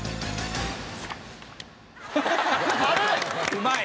うまい！